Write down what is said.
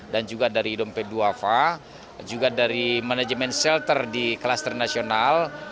dan juga dari dompeduafa juga dari manajemen shelter di kelaster nasional